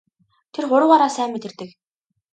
Тэр хуруугаараа сайн мэдэрдэг.